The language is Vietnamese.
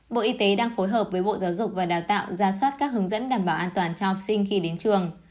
bộ y tế đang phối hợp với bộ giáo dục và đào tạo ra soát các hướng dẫn đảm bảo an toàn cho học sinh khi đến trường